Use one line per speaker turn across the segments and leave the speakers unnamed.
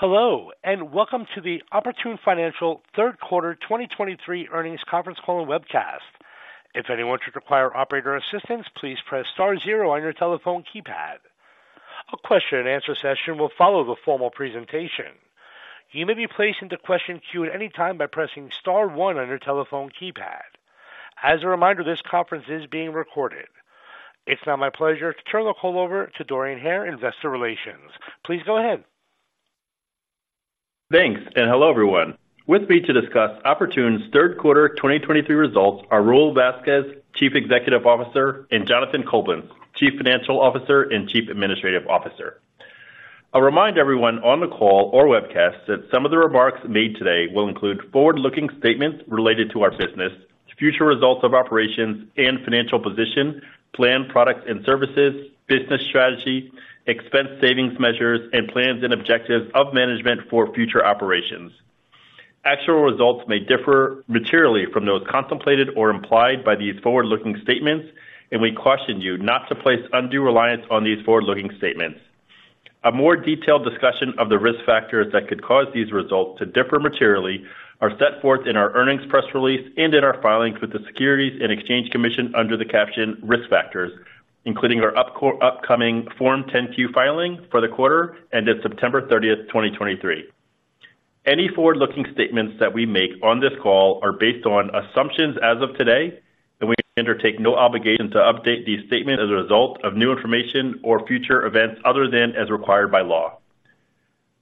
Hello, and welcome to the Oportun Financial third quarter 2023 earnings conference call and webcast. If anyone should require operator assistance, please press star zero on your telephone keypad. A question-and-answer session will follow the formal presentation. You may be placed into question queue at any time by pressing star one on your telephone keypad. As a reminder, this conference is being recorded. It's now my pleasure to turn the call over to Dorian Hare, Investor Relations. Please go ahead.
Thanks, and hello, everyone. With me to discuss Oportun's third quarter 2023 results are Raul Vazquez, Chief Executive Officer, and Jonathan Coblentz, Chief Financial Officer and Chief Administrative Officer. I'll remind everyone on the call or webcast that some of the remarks made today will include forward-looking statements related to our business, future results of operations and financial position, planned products and services, business strategy, expense savings measures, and plans and objectives of management for future operations. Actual results may differ materially from those contemplated or implied by these forward-looking statements, and we caution you not to place undue reliance on these forward-looking statements. A more detailed discussion of the risk factors that could cause these results to differ materially are set forth in our earnings press release and in our filings with the Securities and Exchange Commission under the caption Risk Factors, including our upcoming Form 10-Q filing for the quarter ended September 30, 2023. Any forward-looking statements that we make on this call are based on assumptions as of today, and we undertake no obligation to update these statements as a result of new information or future events other than as required by law.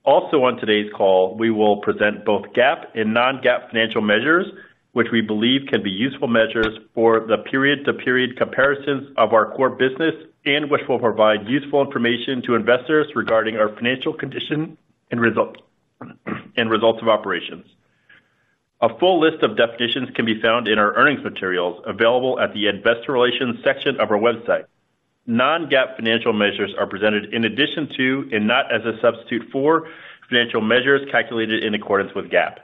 Also, on today's call, we will present both GAAP and Non-GAAP financial measures, which we believe can be useful measures for the period-to-period comparisons of our core business, and which will provide useful information to investors regarding our financial condition and result, and results of operations. A full list of definitions can be found in our earnings materials available at the investor relations section of our website. Non-GAAP financial measures are presented in addition to, and not as a substitute for, financial measures calculated in accordance with GAAP.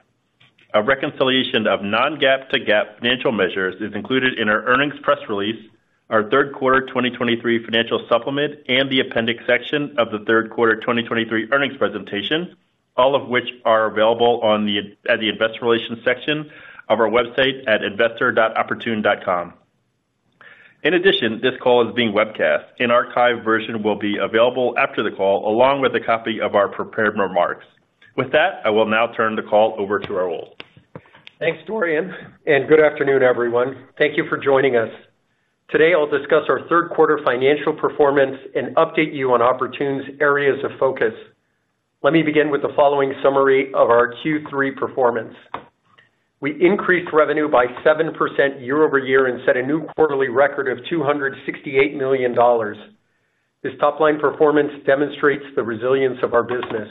A reconciliation of Non-GAAP to GAAP financial measures is included in our earnings press release, our third quarter 2023 financial supplement, and the appendix section of the third quarter 2023 earnings presentation, all of which are available at the investor relations section of our website at investor.oportun.com. In addition, this call is being webcast. An archived version will be available after the call, along with a copy of our prepared remarks. With that, I will now turn the call over to Raul.
Thanks, Dorian, and good afternoon, everyone. Thank you for joining us. Today, I'll discuss our third quarter financial performance and update you on Oportun's areas of focus. Let me begin with the following summary of our Q3 performance. We increased revenue by 7% year-over-year and set a new quarterly record of $268 million. This top-line performance demonstrates the resilience of our business.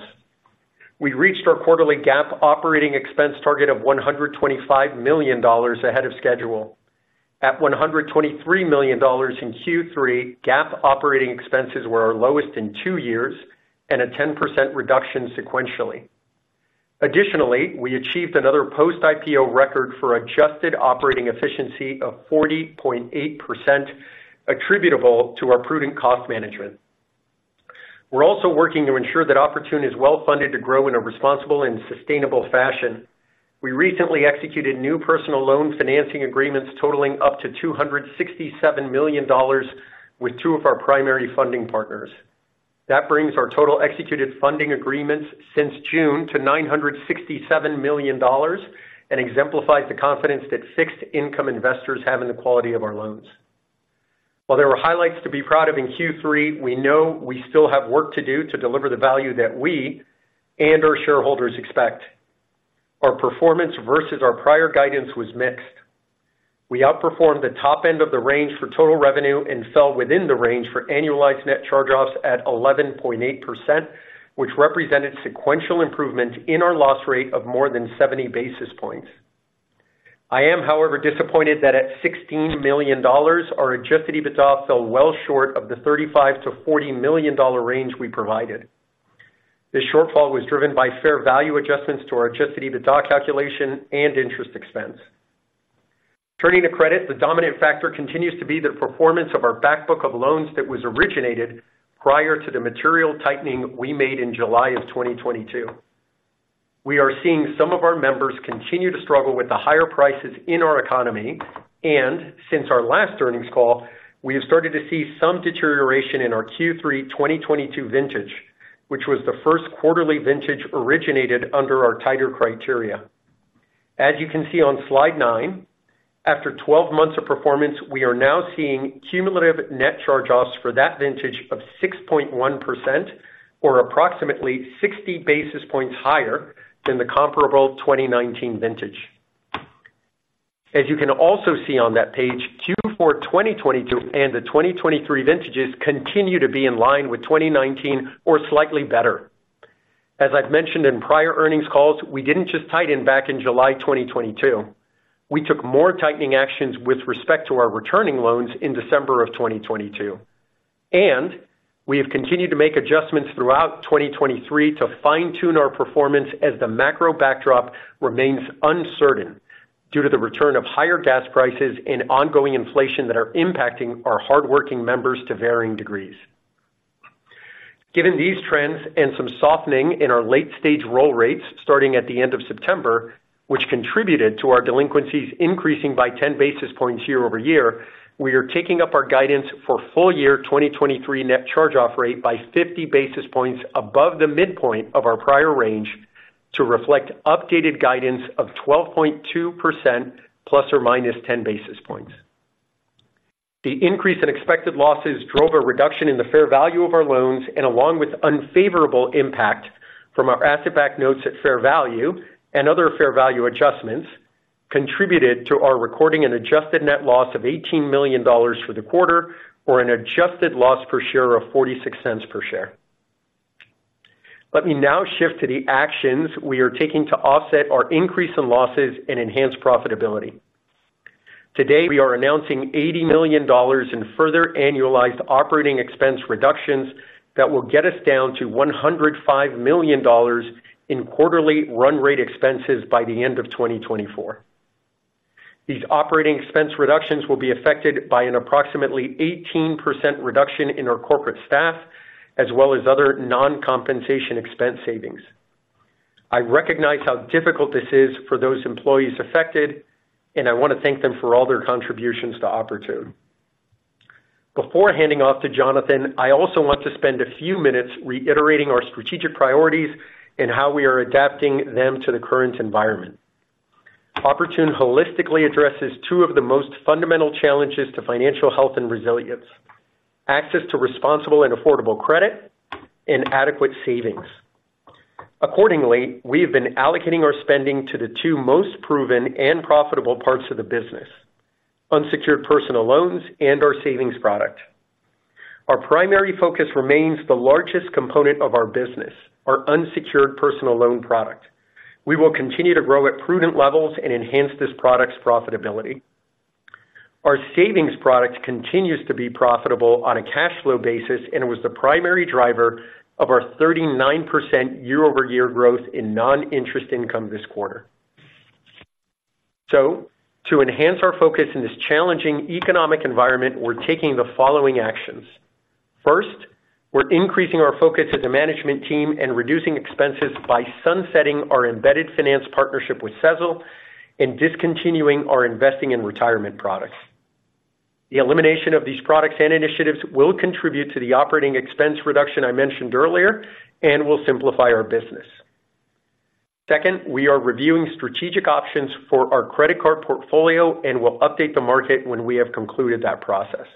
We reached our quarterly GAAP operating expense target of $125 million ahead of schedule. At $123 million in Q3, GAAP operating expenses were our lowest in two years and a 10% reduction sequentially. Additionally, we achieved another post-IPO record for adjusted operating efficiency of 40.8%, attributable to our prudent cost management. We're also working to ensure that Oportun is well-funded to grow in a responsible and sustainable fashion. We recently executed new personal loan financing agreements totaling up to $267 million with two of our primary funding partners. That brings our total executed funding agreements since June to $967 million and exemplifies the confidence that fixed-income investors have in the quality of our loans. While there were highlights to be proud of in Q3, we know we still have work to do to deliver the value that we and our shareholders expect. Our performance versus our prior guidance was mixed. We outperformed the top end of the range for total revenue and fell within the range for annualized net charge-offs at 11.8%, which represented sequential improvement in our loss rate of more than 70 basis points. I am, however, disappointed that at $16 million, our Adjusted EBITDA fell well short of the $35 million-$40 million range we provided. This shortfall was driven by fair value adjustments to our Adjusted EBITDA calculation and interest expense. Turning to credit, the dominant factor continues to be the performance of our back book of loans that was originated prior to the material tightening we made in July 2022. We are seeing some of our members continue to struggle with the higher prices in our economy, and since our last earnings call, we have started to see some deterioration in our Q3 2022 vintage, which was the first quarterly vintage originated under our tighter criteria. As you can see on slide 9, after 12 months of performance, we are now seeing cumulative net charge-offs for that vintage of 6.1% or approximately 60 basis points higher than the comparable 2019 vintage. As you can also see on that page, Q4 2022 and the 2023 vintages continue to be in line with 2019 or slightly better. As I've mentioned in prior earnings calls, we didn't just tighten back in July 2022. We took more tightening actions with respect to our returning loans in December 2022, and we have continued to make adjustments throughout 2023 to fine-tune our performance as the macro backdrop remains uncertain, due to the return of higher gas prices and ongoing inflation that are impacting our hardworking members to varying degrees. Given these trends and some softening in our late-stage roll rates starting at the end of September, which contributed to our delinquencies increasing by 10 basis points year-over-year, we are taking up our guidance for full year 2023 net charge-off rate by 50 basis points above the midpoint of our prior range to reflect updated guidance of 12.2% ±10 basis points. The increase in expected losses drove a reduction in the fair value of our loans, and along with unfavorable impact from our asset-backed notes at fair value and other fair value adjustments, contributed to our recording an adjusted net loss of $18 million for the quarter, or an adjusted loss per share of $0.46 per share. Let me now shift to the actions we are taking to offset our increase in losses and enhance profitability. Today, we are announcing $80 million in further annualized operating expense reductions that will get us down to $105 million in quarterly run rate expenses by the end of 2024. These operating expense reductions will be affected by an approximately 18% reduction in our corporate staff, as well as other non-compensation expense savings. I recognize how difficult this is for those employees affected, and I want to thank them for all their contributions to Oportun. Before handing off to Jonathan, I also want to spend a few minutes reiterating our strategic priorities and how we are adapting them to the current environment. Oportun holistically addresses two of the most fundamental challenges to financial health and resilience: access to responsible and affordable credit and adequate savings. Accordingly, we have been allocating our spending to the two most proven and profitable parts of the business: unsecured personal loans and our savings product. Our primary focus remains the largest component of our business, our unsecured personal loan product. We will continue to grow at prudent levels and enhance this product's profitability. Our savings product continues to be profitable on a cash flow basis, and it was the primary driver of our 39% year-over-year growth in non-interest income this quarter. So to enhance our focus in this challenging economic environment, we're taking the following actions. First, we're increasing our focus as a management team and reducing expenses by sunsetting our embedded finance partnership with Sezzle and discontinuing our investing in retirement products. The elimination of these products and initiatives will contribute to the operating expense reduction I mentioned earlier and will simplify our business. Second, we are reviewing strategic options for our credit card portfolio and will update the market when we have concluded that process.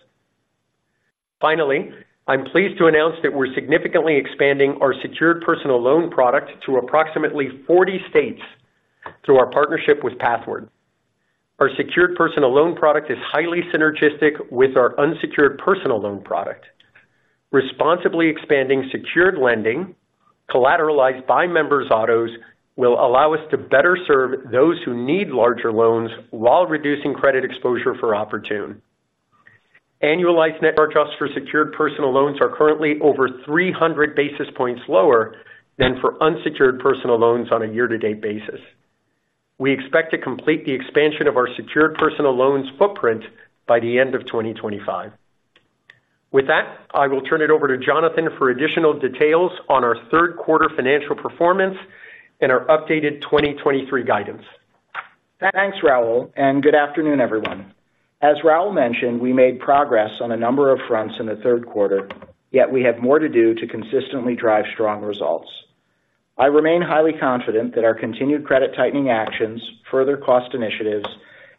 Finally, I'm pleased to announce that we're significantly expanding our secured personal loan product to approximately 40 states through our partnership with Pathward. Our secured personal loan product is highly synergistic with our unsecured personal loan product. Responsibly expanding secured lending, collateralized by members autos, will allow us to better serve those who need larger loans while reducing credit exposure for Oportun. Annualized net charge-offs for secured personal loans are currently over 300 basis points lower than for unsecured personal loans on a year-to-date basis. We expect to complete the expansion of our secured personal loans footprint by the end of 2025. With that, I will turn it over to Jonathan for additional details on our third quarter financial performance and our updated 2023 guidance.
Thanks, Raul, and good afternoon, everyone. As Raul mentioned, we made progress on a number of fronts in the third quarter, yet we have more to do to consistently drive strong results. I remain highly confident that our continued credit tightening actions, further cost initiatives,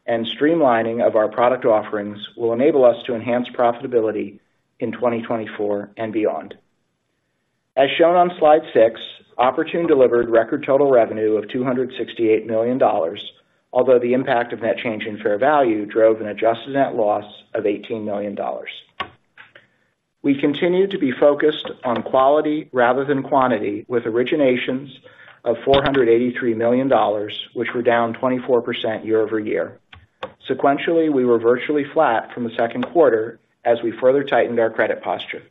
and streamlining of our product offerings will enable us to enhance profitability in 2024 and beyond. As shown on slide 6, Oportun delivered record total revenue of $268 million, although the impact of net change in fair value drove an adjusted net loss of $18 million. We continue to be focused on quality rather than quantity, with originations of $483 million, which were down 24% year-over-year. Sequentially, we were virtually flat from the second quarter as we further tightened our credit posture.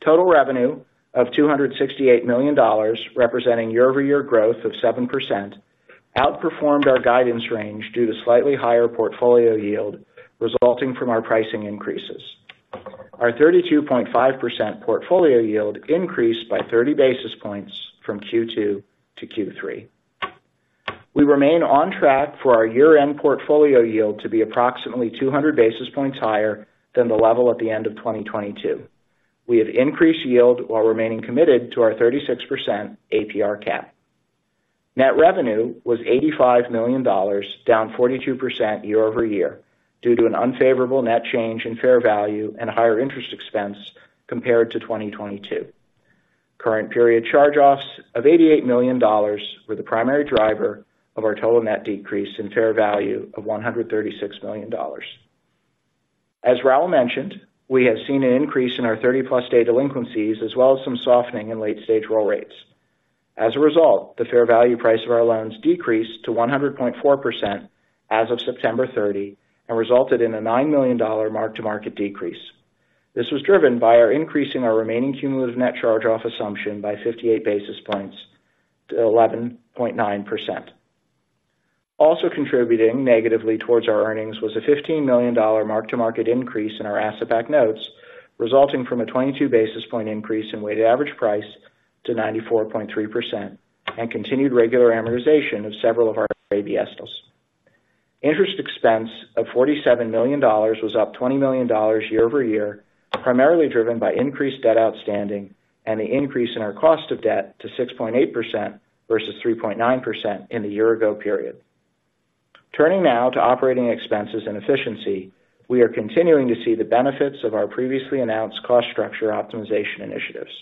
Total revenue of $268 million, representing year-over-year growth of 7%, outperformed our guidance range due to slightly higher portfolio yield resulting from our pricing increases. Our 32.5% portfolio yield increased by 30 basis points from Q2 to Q3. We remain on track for our year-end portfolio yield to be approximately 200 basis points higher than the level at the end of 2022. We have increased yield while remaining committed to our 36% APR cap. Net revenue was $85 million, down 42% year-over-year, due to an unfavorable net change in fair value and higher interest expense compared to 2022. Current period charge-offs of $88 million were the primary driver of our total net decrease in fair value of $136 million. As Raul mentioned, we have seen an increase in our 30+ day delinquencies, as well as some softening in late stage roll rates. As a result, the fair value price of our loans decreased to 100.4% as of September 30, and resulted in a $9 million mark-to-market decrease. This was driven by our increasing our remaining cumulative net charge-off assumption by 58 basis points to 11.9%. Also contributing negatively towards our earnings was a $15 million mark-to-market increase in our asset-backed notes, resulting from a 22 basis point increase in weighted average price to 94.3% and continued regular amortization of several of our ABS deals. Interest expense of $47 million was up $20 million year over year, primarily driven by increased debt outstanding and the increase in our cost of debt to 6.8% versus 3.9% in the year ago period. Turning now to operating expenses and efficiency, we are continuing to see the benefits of our previously announced cost structure optimization initiatives.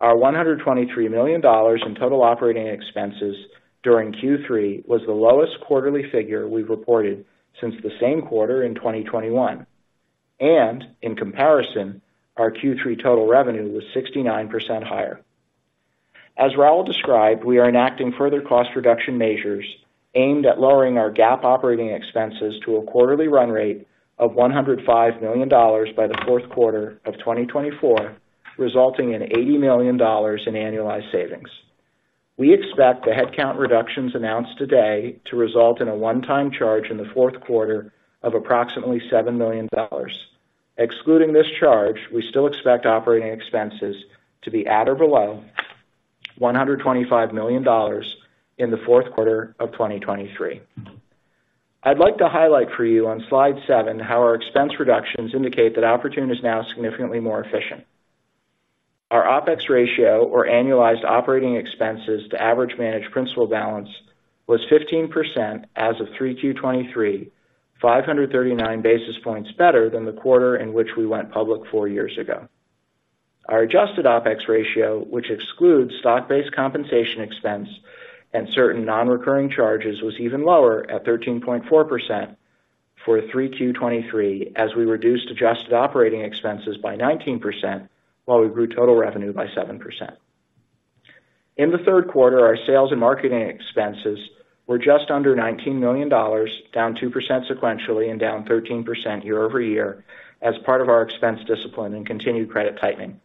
Our $123 million in total operating expenses during Q3 was the lowest quarterly figure we've reported since the same quarter in 2021, and in comparison, our Q3 total revenue was 69% higher. As Raul described, we are enacting further cost reduction measures aimed at lowering our GAAP operating expenses to a quarterly run rate of $105 million by the fourth quarter of 2024, resulting in $80 million in annualized savings. We expect the headcount reductions announced today to result in a one-time charge in the fourth quarter of approximately $7 million. Excluding this charge, we still expect operating expenses to be at or below $125 million in the fourth quarter of 2023. I'd like to highlight for you on Slide 7 how our expense reductions indicate that Oportun is now significantly more efficient. Our OpEx ratio, or annualized operating expenses to average managed principal balance, was 15% as of 3Q 2023, 539 basis points better than the quarter in which we went public four years ago. Our Adjusted OpEx ratio, which excludes stock-based compensation expense and certain non-recurring charges, was even lower at 13.4% for 3Q 2023, as we reduced adjusted operating expenses by 19% while we grew total revenue by 7%. In the third quarter, our sales and marketing expenses were just under $19 million, down 2% sequentially and down 13% year-over-year as part of our expense discipline and continued credit tightening.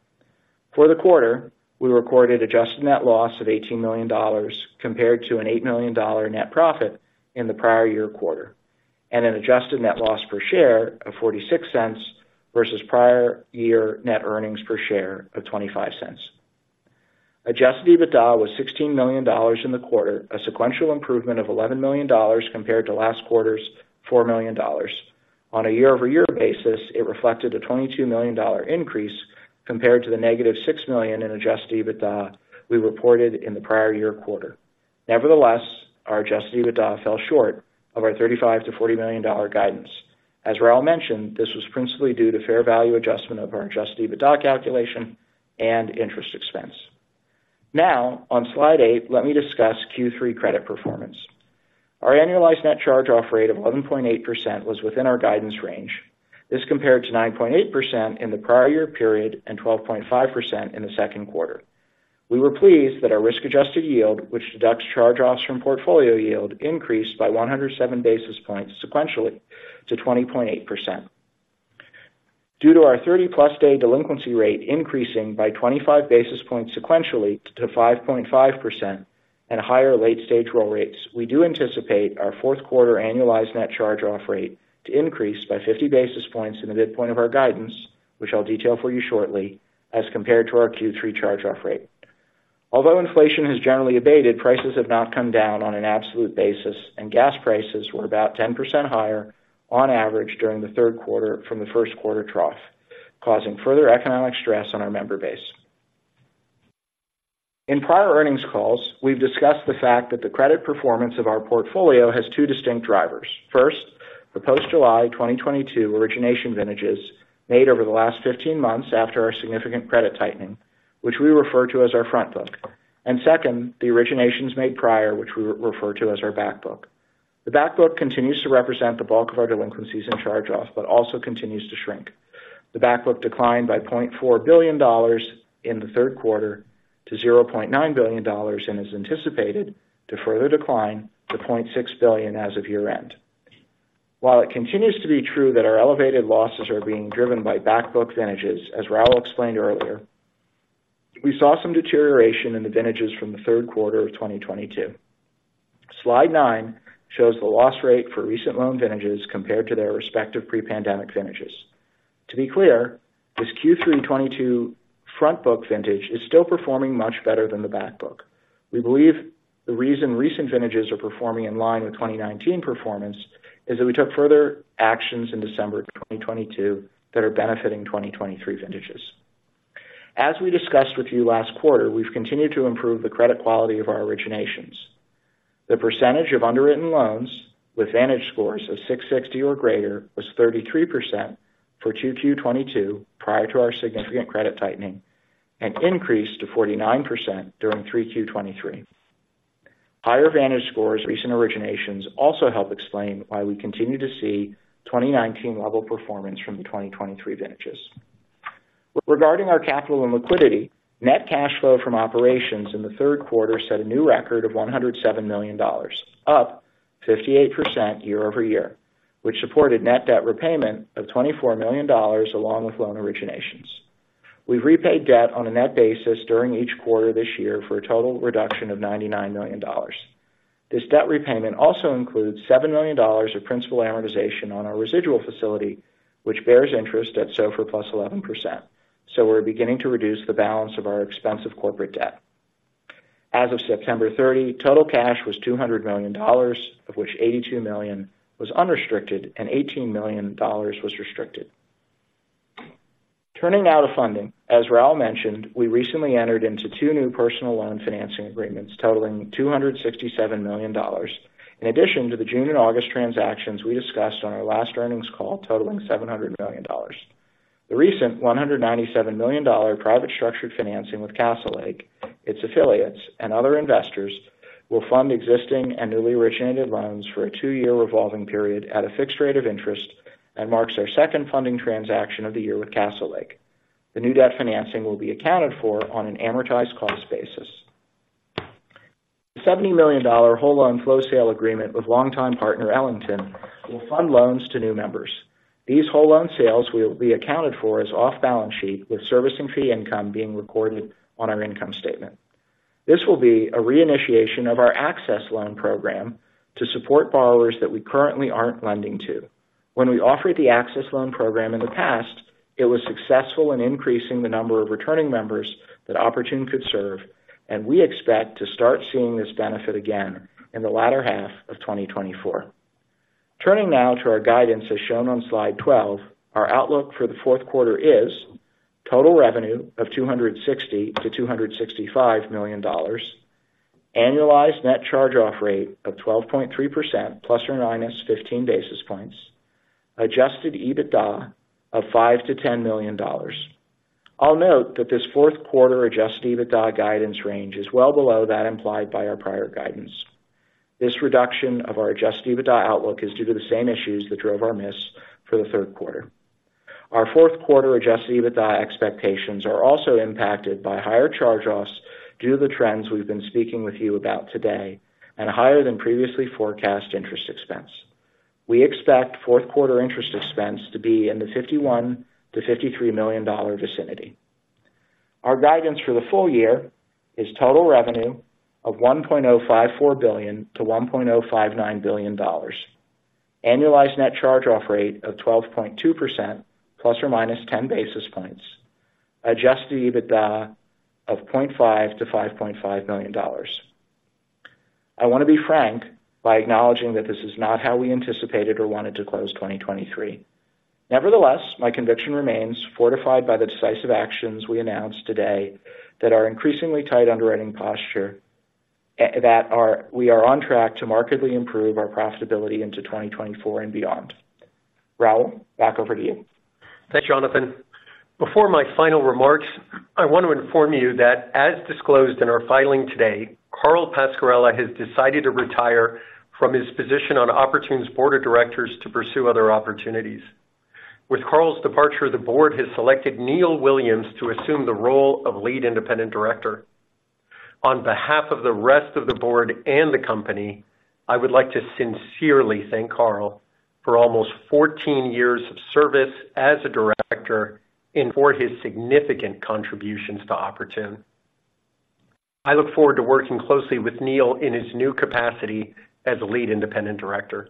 For the quarter, we recorded Adjusted net loss of $18 million compared to an $8 million net profit in the prior year quarter, and an adjusted net loss per share of $0.46 versus prior year net earnings per share of $0.25. Adjusted EBITDA was $16 million in the quarter, a sequential improvement of $11 million compared to last quarter's $4 million. On a year-over-year basis, it reflected a $22 million increase compared to the -$6 million in Adjusted EBITDA we reported in the prior year quarter. Nevertheless, our Adjusted EBITDA fell short of our $35 million-$40 million guidance. As Raul mentioned, this was principally due to fair value adjustment of our Adjusted EBITDA calculation and interest expense. Now, on slide eight, let me discuss Q3 credit performance. Our annualized net charge-off rate of 11.8% was within our guidance range. This compared to 9.8% in the prior year period and 12.5% in the second quarter. We were pleased that our risk-adjusted yield, which deducts charge-offs from portfolio yield, increased by 107 basis points sequentially to 20.8%. Due to our 30+ day delinquency rate increasing by 25 basis points sequentially to 5.5% and higher late-stage roll rates, we do anticipate our fourth quarter annualized net charge-off rate to increase by 50 basis points in the midpoint of our guidance, which I'll detail for you shortly, as compared to our Q3 charge-off rate. Although inflation has generally abated, prices have not come down on an absolute basis, and gas prices were about 10% higher on average during the third quarter from the first quarter trough, causing further economic stress on our member base. In prior earnings calls, we've discussed the fact that the credit performance of our portfolio has two distinct drivers. First, the post-July 2022 origination vintages made over the last 15 months after our significant credit tightening, which we refer to as our front book. And second, the originations made prior, which we refer to as our back book. The back book continues to represent the bulk of our delinquencies and charge-offs, but also continues to shrink. The back book declined by $0.4 billion in the third quarter to $0.9 billion, and is anticipated to further decline to $0.6 billion as of year-end. While it continues to be true that our elevated losses are being driven by back book vintages, as Raul explained earlier, we saw some deterioration in the vintages from the third quarter of 2022. Slide nine shows the loss rate for recent loan vintages compared to their respective pre-pandemic vintages. To be clear, this Q3 2022 front book vintage is still performing much better than the back book. We believe the reason recent vintages are performing in line with 2019 performance is that we took further actions in December 2022, that are benefiting 2023 vintages. As we discussed with you last quarter, we've continued to improve the credit quality of our originations. The percentage of underwritten loans with VantageScores of 660 or greater was 33% for 2Q 2022 prior to our significant credit tightening, and increased to 49% during 3Q 2023. Higher VantageScores, recent originations also help explain why we continue to see 2019-level performance from the 2023 vintages. Regarding our capital and liquidity, net cash flow from operations in the third quarter set a new record of $107 million, up 58% year-over-year, which supported net debt repayment of $24 million, along with loan originations. We've repaid debt on a net basis during each quarter this year for a total reduction of $99 million. This debt repayment also includes $7 million of principal amortization on our residual facility, which bears interest at SOFR + 11%, so we're beginning to reduce the balance of our expensive corporate debt. As of September 30, total cash was $200 million, of which $82 million was unrestricted and $18 million was restricted. Turning now to funding, as Raul mentioned, we recently entered into two new personal loan financing agreements totaling $267 million, in addition to the June and August transactions we discussed on our last earnings call, totaling $700 million. The recent $197 million private structured financing with Castlelake, its affiliates, and other investors, will fund existing and newly originated loans for a 2-year revolving period at a fixed rate of interest, and marks our second funding transaction of the year with Castlelake. The new debt financing will be accounted for on an amortized cost basis. The $70 million whole loan flow sale agreement with longtime partner Ellington will fund loans to new members. These whole loan sales will be accounted for as off-balance sheet, with servicing fee income being recorded on our income statement. This will be a reinitiation of our Access Loan Program to support borrowers that we currently aren't lending to. When we offered the Access Loan Program in the past, it was successful in increasing the number of returning members that Oportun could serve, and we expect to start seeing this benefit again in the latter half of 2024. Turning now to our guidance, as shown on slide 12, our outlook for the fourth quarter is: total revenue of $260 million-$265 million, annualized net charge-off rate of 12.3%, ±15 basis points, Adjusted EBITDA of $5 million-$10 million. I'll note that this fourth quarter Adjusted EBITDA guidance range is well below that implied by our prior guidance. This reduction of our Adjusted EBITDA outlook is due to the same issues that drove our miss for the third quarter. Our fourth quarter Adjusted EBITDA expectations are also impacted by higher charge-offs due to the trends we've been speaking with you about today, and higher than previously forecast interest expense. We expect fourth quarter interest expense to be in the $51 million-$53 million vicinity. Our guidance for the full year is total revenue of $1.054 billion-$1.059 billion, annualized net charge-off rate of 12.2% ±10 basis points, Adjusted EBITDA of $0.5 million-$5.5 million. I want to be frank by acknowledging that this is not how we anticipated or wanted to close 2023. Nevertheless, my conviction remains fortified by the decisive actions we announced today that our increasingly tight underwriting posture we are on track to markedly improve our profitability into 2024 and beyond. Raul, back over to you.
Thanks, Jonathan. Before my final remarks, I want to inform you that, as disclosed in our filing today, Carl Pascarella has decided to retire from his position on Oportun's board of directors to pursue other opportunities. With Carl's departure, the board has selected Neil Williams to assume the role of Lead Independent Director. On behalf of the rest of the board and the company, I would like to sincerely thank Carl for almost 14 years of service as a director and for his significant contributions to Oportun. I look forward to working closely with Neil in his new capacity as Lead Independent Director.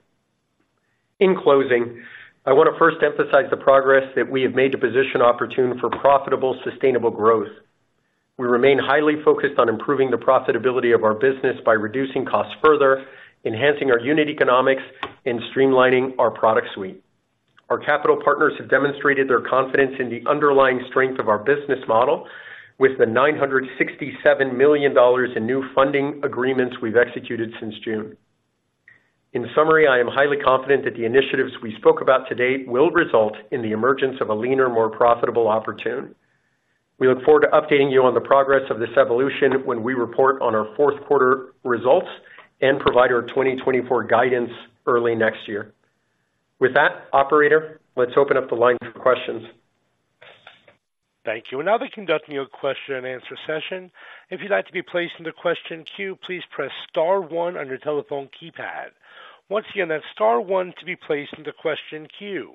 In closing, I want to first emphasize the progress that we have made to position Oportun for profitable, sustainable growth. We remain highly focused on improving the profitability of our business by reducing costs further, enhancing our unit economics, and streamlining our product suite. Our capital partners have demonstrated their confidence in the underlying strength of our business model with the $967 million in new funding agreements we've executed since June. In summary, I am highly confident that the initiatives we spoke about today will result in the emergence of a leaner, more profitable Oportun. We look forward to updating you on the progress of this evolution when we report on our fourth quarter results and provide our 2024 guidance early next year. With that, operator, let's open up the line for questions.
Thank you. We're now conducting your question and answer session. If you'd like to be placed in the question queue, please press star one on your telephone keypad. Once again, that's star one to be placed into question queue.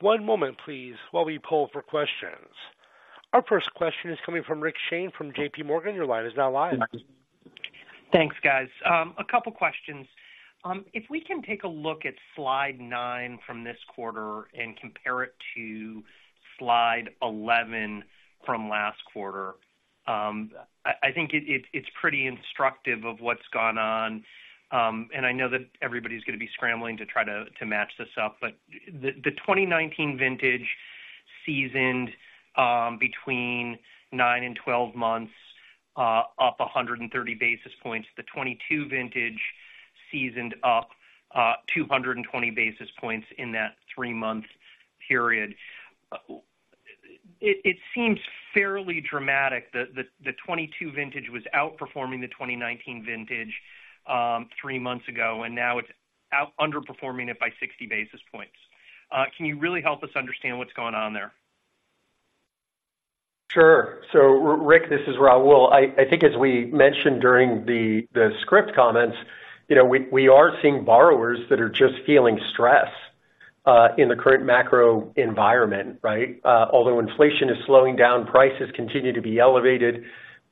One moment, please, while we poll for questions. Our first question is coming from Rick Shane from JPMorgan. Your line is now live.
Thanks, guys. A couple questions. If we can take a look at slide nine from this quarter and compare it to slide 11 from last quarter, I think it's pretty instructive of what's gone on. And I know that everybody's going to be scrambling to try to match this up, but the 2019 vintage seasoned between nine and 12 months up 130 basis points. The 2022 vintage seasoned up 220 basis points in that three-month period. It seems fairly dramatic that the 2022 vintage was outperforming the 2019 vintage three months ago, and now it's out underperforming it by 60 basis points. Can you really help us understand what's going on there?
Sure. So Rick, this is Raul. I think as we mentioned during the script comments, you know, we are seeing borrowers that are just feeling stress in the current macro environment, right? Although inflation is slowing down, prices continue to be elevated.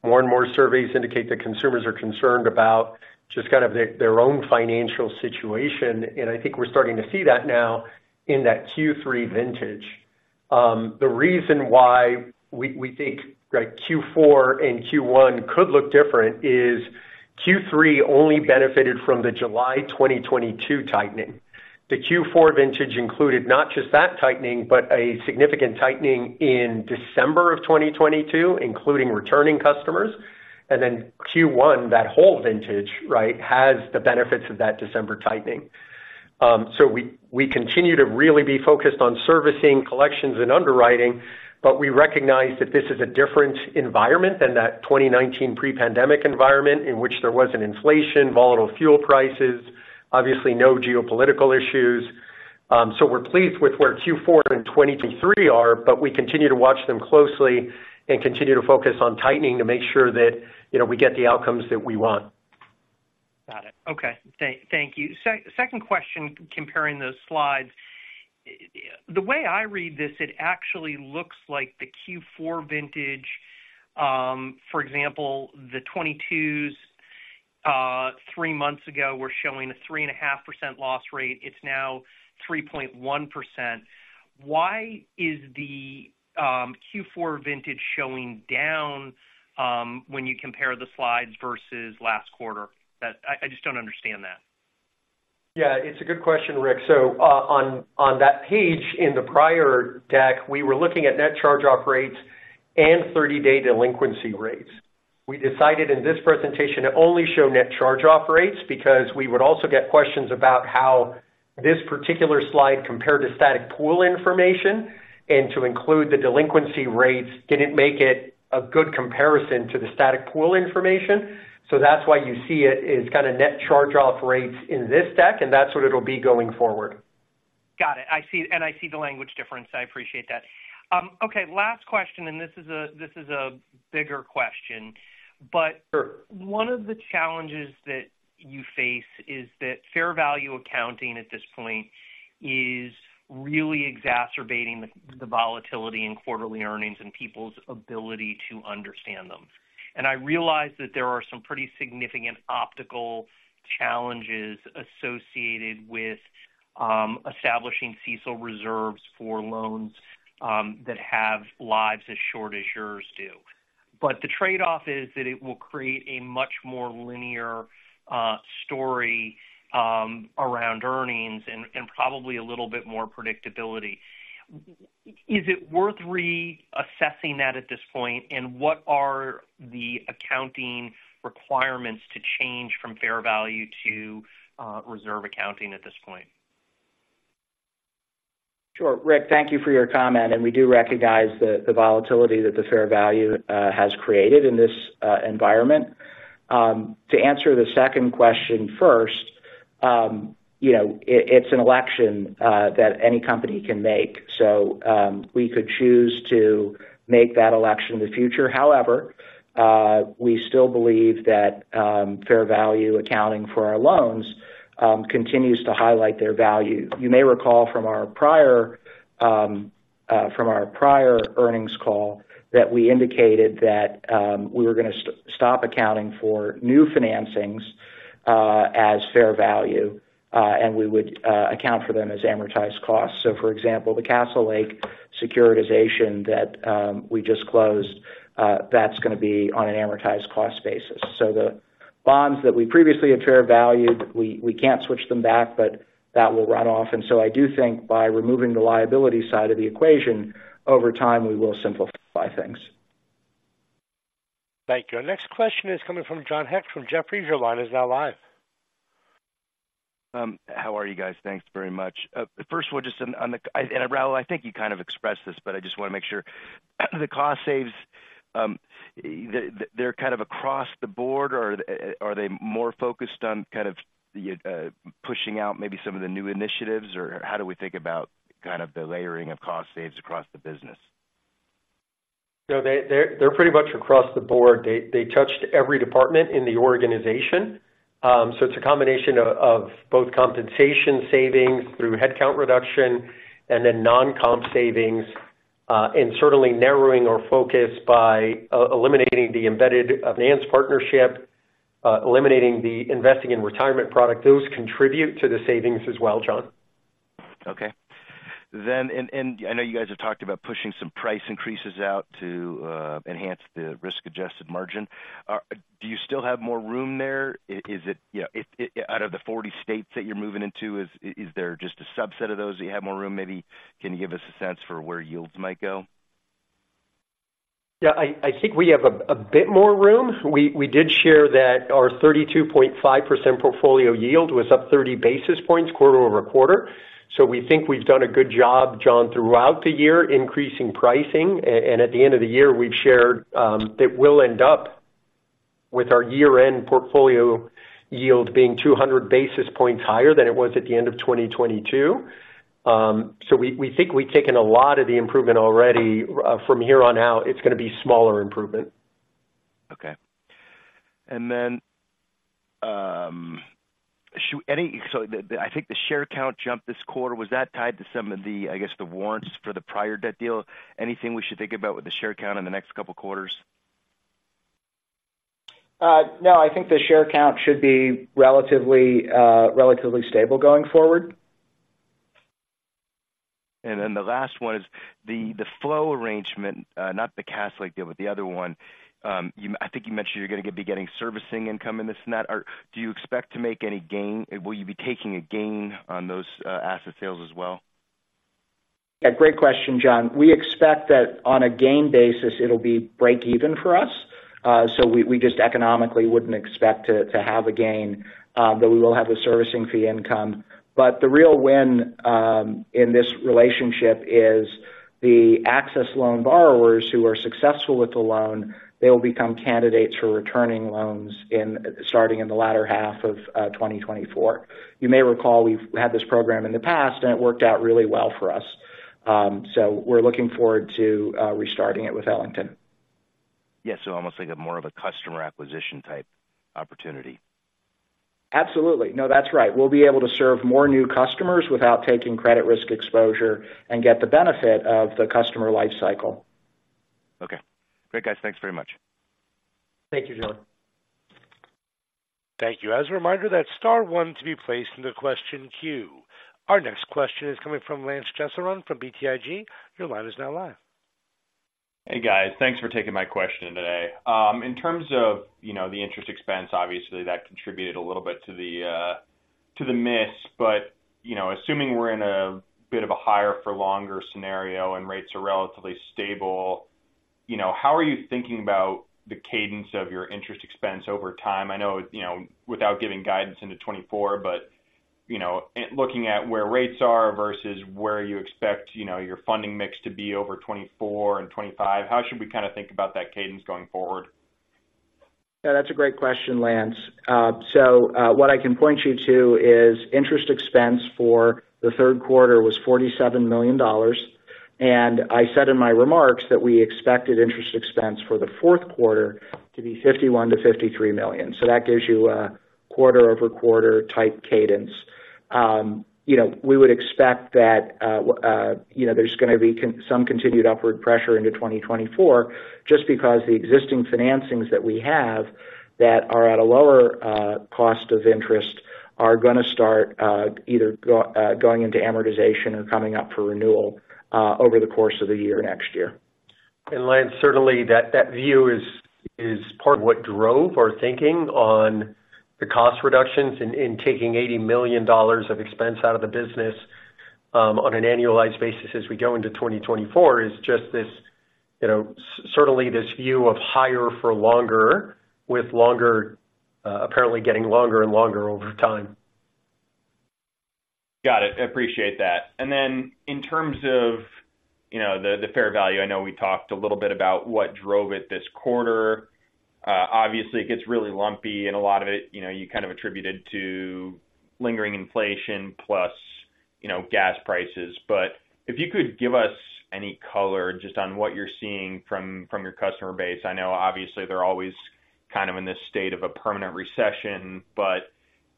More and more surveys indicate that consumers are concerned about just kind of their own financial situation, and I think we're starting to see that now in that Q3 vintage. The reason why we think, right, Q4 and Q1 could look different is Q3 only benefited from the July 2022 tightening. The Q4 vintage included not just that tightening, but a significant tightening in December of 2022, including returning customers. And then Q1, that whole vintage, right, has the benefits of that December tightening. So we continue to really be focused on servicing, collections, and underwriting, but we recognize that this is a different environment than that 2019 pre-pandemic environment in which there wasn't inflation, volatile fuel prices, obviously no geopolitical issues. So we're pleased with where Q4 and 2023 are, but we continue to watch them closely and continue to focus on tightening to make sure that, you know, we get the outcomes that we want.
Got it. Okay. Thank you. Second question, comparing those slides. The way I read this, it actually looks like the Q4 vintage, for example, the 2022s three months ago, were showing a 3.5% loss rate. It's now 3.1%. Why is the Q4 vintage showing down when you compare the slides versus last quarter? That I just don't understand that.
Yeah, it's a good question, Rick. So, on that page in the prior deck, we were looking at net charge-off rates and 30-day delinquency rates. We decided in this presentation to only show net charge-off rates, because we would also get questions about how this particular slide compared to static pool information, and to include the delinquency rates, didn't make it a good comparison to the static pool information. So that's why you see it as kind of net charge-off rates in this deck, and that's what it'll be going forward.
Got it. I see... I see the language difference. I appreciate that. Okay, last question, and this is a, this is a bigger question.
Sure.
But one of the challenges that you face is that fair value accounting at this point is really exacerbating the volatility in quarterly earnings and people's ability to understand them. And I realize that there are some pretty significant optical challenges associated with establishing CECL reserves for loans that have lives as short as yours do. But the trade-off is that it will create a much more linear story around earnings and probably a little bit more predictability. Is it worth reassessing that at this point? And what are the accounting requirements to change from fair value to reserve accounting at this point?
Sure. Rick, thank you for your comment, and we do recognize the volatility that the fair value has created in this environment. To answer the second question first, you know, it's an election that any company can make, so we could choose to make that election in the future. However, we still believe that fair value accounting for our loans continues to highlight their value. You may recall from our prior earnings call, that we indicated that we were gonna stop accounting for new financings as fair value, and we would account for them as amortized costs. So for example, the Castlelake securitization that we just closed, that's gonna be on an amortized cost basis. So the bonds that we previously had fair valued, we can't switch them back, but that will run off. And so I do think by removing the liability side of the equation, over time, we will simplify things.
Thank you. Our next question is coming from John Hecht from Jefferies. Your line is now live.
How are you guys? Thanks very much. First of all, just on the... Raul, I think you kind of expressed this, but I just wanna make sure. The cost saves, they're kind of across the board, or are they more focused on kind of pushing out maybe some of the new initiatives, or how do we think about kind of the layering of cost saves across the business?
No, they're pretty much across the board. They touched every department in the organization. So it's a combination of both compensation savings through headcount reduction and then non-comp savings, and certainly narrowing our focus by eliminating the embedded finance partnership, eliminating the Investing and Retirement product. Those contribute to the savings as well, John.
Okay. Then, and, and I know you guys have talked about pushing some price increases out to enhance the risk-adjusted margin. Do you still have more room there? Is it, you know, out of the 40 states that you're moving into, is there just a subset of those that you have more room maybe? Can you give us a sense for where yields might go?
Yeah, I think we have a bit more room. We did share that our 32.5% portfolio yield was up 30 basis points quarter-over-quarter. So we think we've done a good job, John, throughout the year, increasing pricing, and at the end of the year, we've shared that we'll end up with our year-end portfolio yield being 200 basis points higher than it was at the end of 2022. So we think we've taken a lot of the improvement already. From here on out, it's gonna be smaller improvement.
Okay. And then, so the, the, I think the share count jumped this quarter. Was that tied to some of the, I guess, the warrants for the prior debt deal? Anything we should think about with the share count in the next couple quarters?
No, I think the share count should be relatively, relatively stable going forward.
And then the last one is the flow arrangement, not the Castlelake deal, but the other one. I think you mentioned you're gonna be getting servicing income in this and that. Or do you expect to make any gain? Will you be taking a gain on those asset sales as well?
Yeah, great question, John. We expect that on a gain basis, it'll be break even for us. So we just economically wouldn't expect to have a gain, but we will have the servicing fee income. But the real win in this relationship is the access loan borrowers who are successful with the loan, they will become candidates for returning loans starting in the latter half of 2024. You may recall, we've had this program in the past, and it worked out really well for us. So we're looking forward to restarting it with Ellington.
Yeah, so almost like a more of a customer acquisition-type opportunity.
Absolutely. No, that's right. We'll be able to serve more new customers without taking credit risk exposure and get the benefit of the customer life cycle.
Okay. Great, guys. Thanks very much.
Thank you, John.
Thank you. As a reminder, that's star one to be placed into question queue. Our next question is coming from Lance Jessurun from BTIG. Your line is now live.
Hey, guys. Thanks for taking my question today. In terms of, you know, the interest expense, obviously, that contributed a little bit to the miss. But, you know, assuming we're in a bit of a higher for longer scenario and rates are relatively stable, you know, how are you thinking about the cadence of your interest expense over time? I know, you know, without giving guidance into 2024, but, you know, and looking at where rates are versus where you expect, you know, your funding mix to be over 2024 and 2025, how should we kind a think about that cadence going forward?
Yeah, that's a great question, Lance. So, what I can point you to is interest expense for the third quarter was $47 million, and I said in my remarks that we expected interest expense for the fourth quarter to be $51 million-$53 million. So that gives you a quarter-over-quarter type cadence. You know, we would expect that, you know, there's gonna be some continued upward pressure into 2024 just because the existing financings that we have that are at a lower cost of interest, are gonna start either going into amortization or coming up for renewal over the course of the year, next year. And Lance, certainly, that view is part of what drove our thinking on the cost reductions in taking $80 million of expense out of the business, on an annualized basis as we go into 2024, is just this, you know, certainly this view of higher for longer, with longer apparently getting longer and longer over time.
Got it. I appreciate that. And then in terms of, you know, the fair value, I know we talked a little bit about what drove it this quarter. Obviously, it gets really lumpy, and a lot of it, you know, you kind of attributed to lingering inflation plus, you know, gas prices. But if you could give us any color just on what you're seeing from your customer base. I know, obviously, they're always kind of in this state of a permanent recession, but,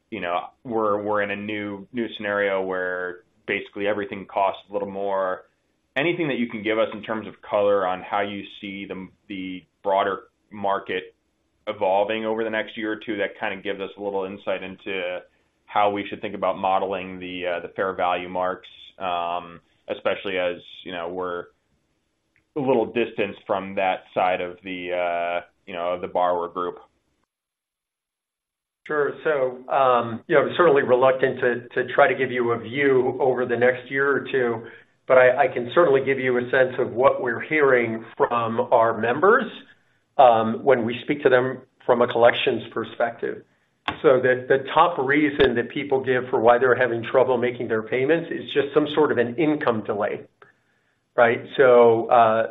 you know, we're in a new scenario where basically everything costs a little more. Anything that you can give us in terms of color on how you see the broader market evolving over the next year or two, that kind of gives us a little insight into how we should think about modeling the fair value marks, especially as, you know, we're a little distanced from that side of the, you know, the borrower group?
Sure. So, you know, certainly reluctant to try to give you a view over the next year or two, but I can certainly give you a sense of what we're hearing from our members when we speak to them from a collections perspective. So the top reason that people give for why they're having trouble making their payments is just some sort of an income delay, right? So,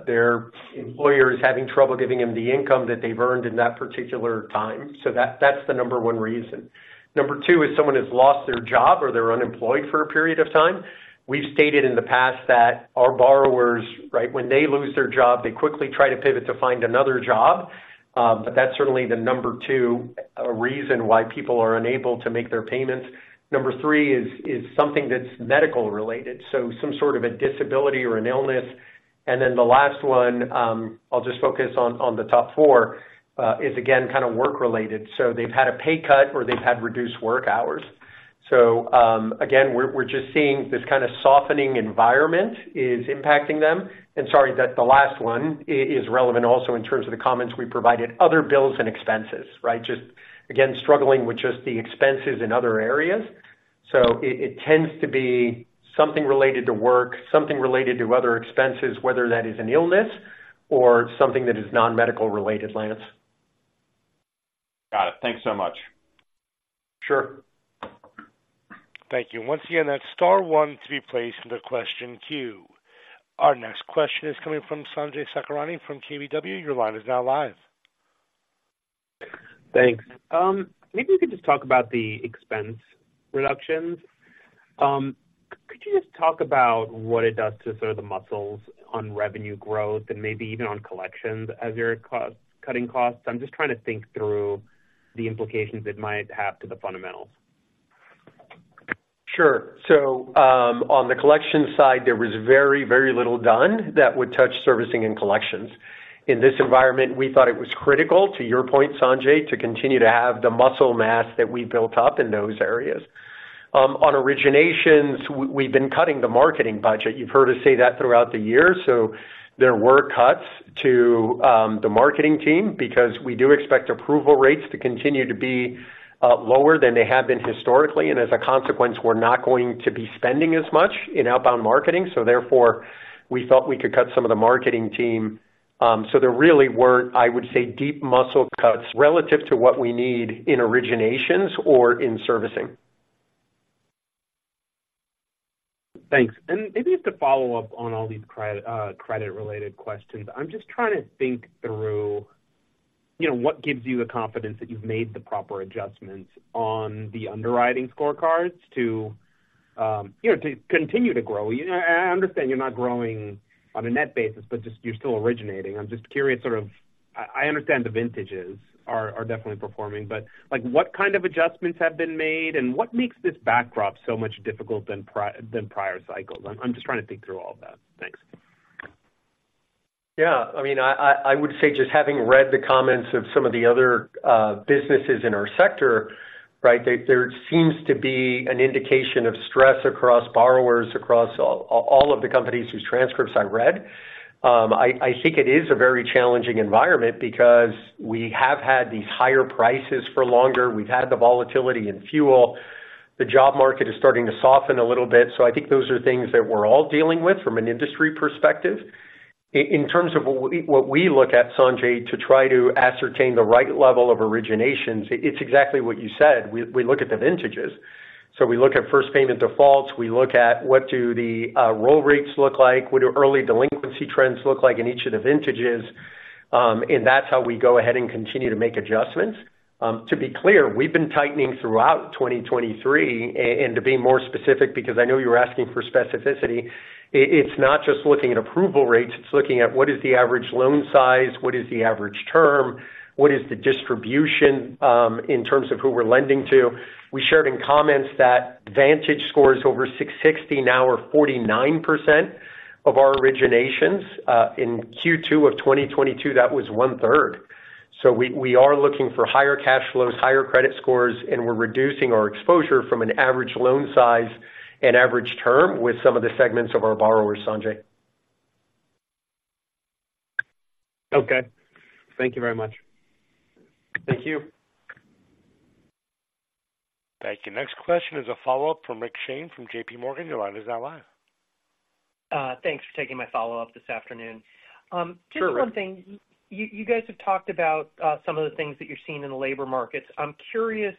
their employer is having trouble giving them the income that they've earned in that particular time. So that's the number one reason. Number two is someone has lost their job or they're unemployed for a period of time. We've stated in the past that our borrowers, right, when they lose their job, they quickly try to pivot to find another job. But that's certainly the number two reason why people are unable to make their payments. Number three is something that's medical-related, so some sort of a disability or an illness. And then the last one, I'll just focus on the top four, is again, kind of work-related. So they've had a pay cut or they've had reduced work hours. So, again, we're just seeing this kind of softening environment is impacting them. And sorry, that the last one is relevant also in terms of the comments we provided, other bills and expenses, right? Just again, struggling with just the expenses in other areas. So it tends to be something related to work, something related to other expenses, whether that is an illness or something that is non-medical related, Lance.
Got it. Thanks so much.
Sure.
Thank you. Once again, that's star one to be placed in the question queue. Our next question is coming from Sanjay Sakhrani from KBW. Your line is now live.
Thanks. Maybe you could just talk about the expense reductions. Could you just talk about what it does to sort of the muscles on revenue growth and maybe even on collections as you're cost-cutting costs? I'm just trying to think through the implications it might have to the fundamentals.
Sure. So, on the collection side, there was very, very little done that would touch servicing and collections. In this environment, we thought it was critical, to your point, Sanjay, to continue to have the muscle mass that we built up in those areas. On originations, we've been cutting the marketing budget. You've heard us say that throughout the year, so there were cuts to the marketing team because we do expect approval rates to continue to be lower than they have been historically, and as a consequence, we're not going to be spending as much in outbound marketing. So therefore, we felt we could cut some of the marketing team. So there really weren't, I would say, deep muscle cuts relative to what we need in originations or in servicing.
Thanks. Maybe just to follow up on all these credit-related questions. I'm just trying to think through, you know, what gives you the confidence that you've made the proper adjustments on the underwriting scorecards to, you know, to continue to grow? I understand you're not growing on a net basis, but just you're still originating. I'm just curious, sort of, I understand the vintages are definitely performing, but, like, what kind of adjustments have been made? And what makes this backdrop so much difficult than prior cycles? I'm just trying to think through all of that. Thanks.
Yeah. I mean, I would say, just having read the comments of some of the other businesses in our sector, right, there seems to be an indication of stress across borrowers, across all of the companies whose transcripts I read. I think it is a very challenging environment because we have had these higher prices for longer. We've had the volatility in fuel. The job market is starting to soften a little bit. So I think those are things that we're all dealing with from an industry perspective. In terms of what we look at, Sanjay, to try to ascertain the right level of originations, it's exactly what you said. We look at the vintages. So we look at first payment defaults, we look at what do the roll rates look like, what do early delinquency trends look like in each of the vintages? And that's how we go ahead and continue to make adjustments. To be clear, we've been tightening throughout 2023, and to be more specific, because I know you were asking for specificity, it's not just looking at approval rates, it's looking at what is the average loan size, what is the average term, what is the distribution in terms of who we're lending to. We shared in comments that VantageScores over 660 now are 49% of our originations. In Q2 of 2022, that was one third. So we are looking for higher cash flows, higher credit scores, and we're reducing our exposure from an average loan size and average term with some of the segments of our borrowers, Sanjay.
Okay. Thank you very much.
Thank you.
Thank you. Next question is a follow-up from Rick Shane from JPMorgan. Your line is now live.
Thanks for taking my follow-up this afternoon.
Sure.
Just one thing. You guys have talked about some of the things that you're seeing in the labor markets. I'm curious,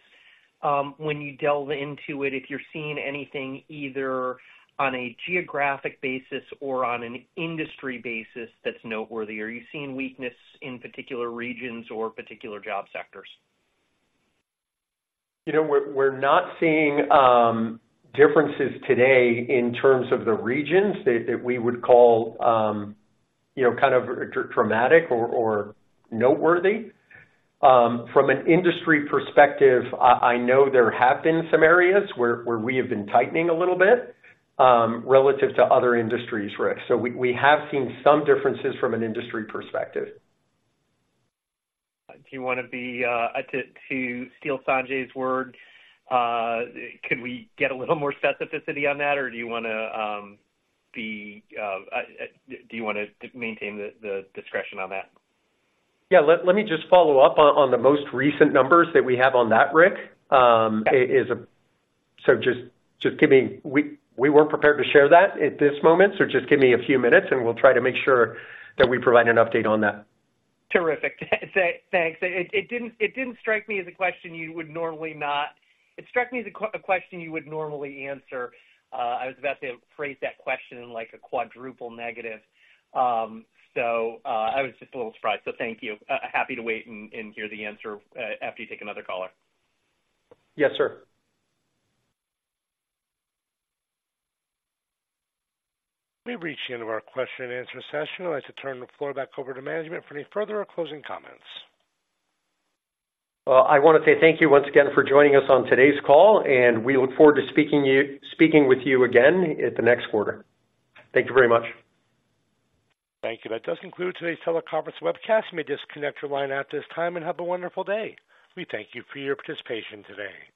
when you delve into it, if you're seeing anything, either on a geographic basis or on an industry basis, that's noteworthy. Are you seeing weakness in particular regions or particular job sectors?
You know, we're not seeing differences today in terms of the regions that we would call, you know, kind of dramatic or noteworthy. From an industry perspective, I know there have been some areas where we have been tightening a little bit relative to other industries, Rick. So we have seen some differences from an industry perspective.
Do you wanna steal Sanjay's word, could we get a little more specificity on that, or do you wanna... Do you wanna maintain the discretion on that?
Yeah, let me just follow up on the most recent numbers that we have on that, Rick.
Okay.
So just, just give me... We weren't prepared to share that at this moment, so just give me a few minutes, and we'll try to make sure that we provide an update on that.
Terrific. Thanks. It didn't strike me as a question you would normally answer. I was about to phrase that question in, like, a quadruple negative. So, I was just a little surprised, so thank you. Happy to wait and hear the answer after you take another caller.
Yes, sir.
We've reached the end of our question and answer session. I'd like to turn the floor back over to management for any further or closing comments.
Well, I want to say thank you once again for joining us on today's call, and we look forward to speaking with you again at the next quarter. Thank you very much.
Thank you. That does conclude today's teleconference webcast. You may disconnect your line at this time and have a wonderful day. We thank you for your participation today.